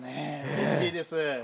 うれしいです。